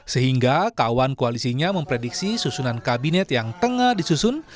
sehingga kawan koalisinya memprediksi susunan kabinet yang tengah disusun